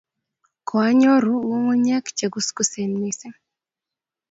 Koanyoru ng'ung'unyek che kuskusen mising